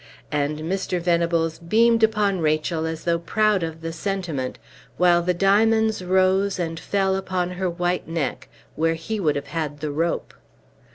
And Mr. Venables beamed upon Rachel as though proud of the sentiment, while the diamonds rose and fell upon her white neck, where he would have had the rope.